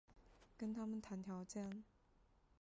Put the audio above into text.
跟他们谈条件